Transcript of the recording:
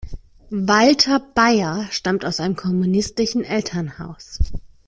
Walter Baier stammt aus einem kommunistischen Elternhaus.